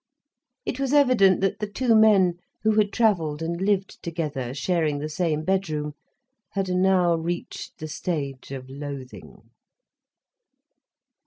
It was evident that the two men who had travelled and lived together, sharing the same bedroom, had now reached the stage of loathing.